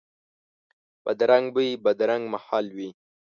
بدرنګ بوی، بدرنګ محل وي